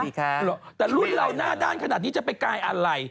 ใช่แต่รุ่นเราหน้าด้านขนาดนี้จะไปกายอะไร